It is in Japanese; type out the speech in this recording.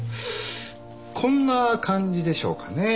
こんな感じでしょうかね。